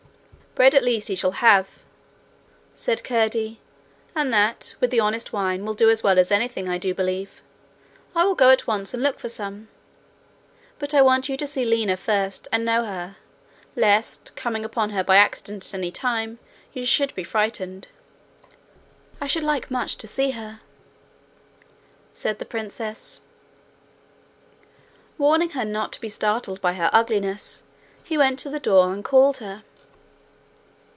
'Bread at least he shall have,' said Curdie; 'and that, with the honest wine, will do as well as anything, I do believe. I will go at once and look for some. But I want you to see Lina first, and know her, lest, coming upon her by accident at any time, you should be frightened.' 'I should like much to see her,' said the princess. Warning her not to be startled by her ugliness, he went to the door and called her.